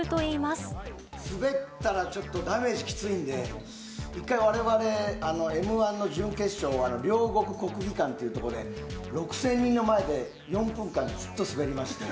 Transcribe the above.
すべったらちょっとダメージきついんで、一回、われわれ、Ｍー１の準決勝を、両国国技館というとこで、６０００人の前で４分間ずっとすべりまして。